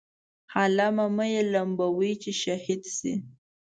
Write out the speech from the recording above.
عالمه مه یې لمبوئ چې شهید شي.